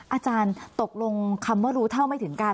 อาจารย์ตกลงคำว่ารู้เท่าไม่ถึงการ